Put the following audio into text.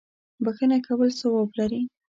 بخښه کول ثواب لري.